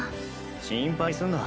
心配すんな。